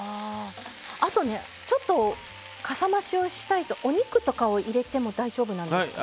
あとちょっとかさ増しをしたいとお肉とかを入れても大丈夫だと。